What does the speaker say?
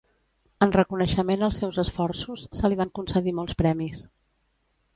En reconeixement als seus esforços, se li van concedir molts premis.